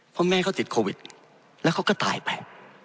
เพราะแม่เขาติดโควิดแล้วเขาก็ตายไป